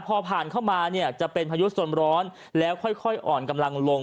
พอผ่านเข้ามาเนี่ยจะเป็นพายุสนร้อนแล้วค่อยอ่อนกำลังลง